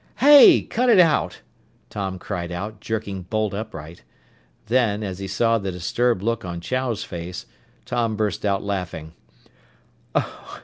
"Hey! Cut it out!" Tom cried out, jerking bolt upright. Then, as he saw the disturbed look on Chow's face, Tom burst out laughing.